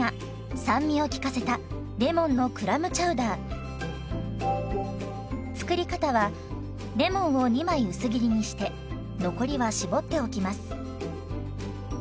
酸味を効かせた作り方はレモンを２枚薄切りにして残りは搾っておきます。